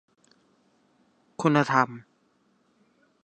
คุณธรรม